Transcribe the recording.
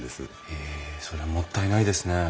へえそれはもったいないですね。